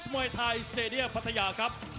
สวัสดีทุกคน